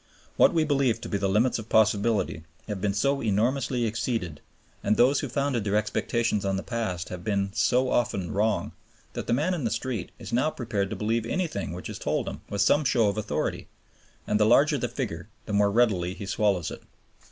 What we believed to be the limits of possibility have been so enormously exceeded, and those who founded their expectations on the past have been so often wrong, that the man in the street is now prepared to believe anything which is told him with some show of authority, and the larger the figure the more readily he swallows it.